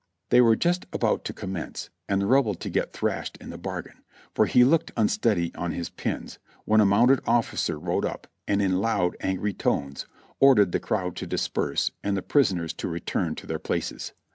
They were just about to commence, and the Rebel to get thrashed in the bargain, for he looked unsteady on his pins, when a mounted officer rode up and in loud, angry tones ordered the crowd to disperse and the prisoners to return to their places.